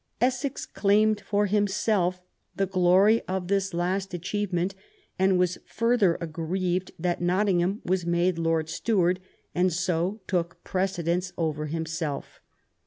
Essex claimed for himself the glory of this last achievement, and was further aggrieved that Nottingham was made Lord Steward, and so took precedence over himself.